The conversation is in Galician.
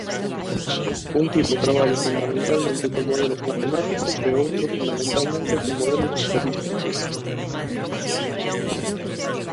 Un tipo traballa fundamentalmente con modelos matemáticos e o outro fundamentalmente con modelos estatísticos.